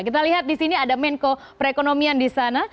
kita lihat disini ada menko perekonomian disana